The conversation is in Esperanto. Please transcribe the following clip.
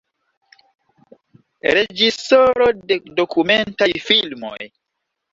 Reĝisoro de dokumentaj filmoj.